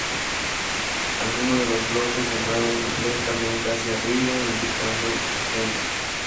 Algunos de los bloques se mueven lentamente hacia arriba indicando el "crescendo".